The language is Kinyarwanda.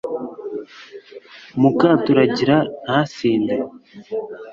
mukaturagira nta sinde